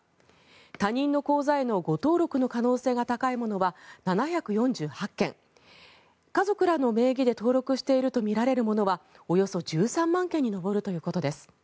他人の口座への誤登録の可能性が高いものは７４８件家族らの名義で登録しているとみられるものはおよそ１３万件に上るということです。